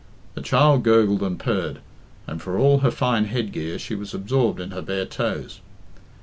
The child gurgled and purred, and for all her fine headgear she was absorbed in her bare toes.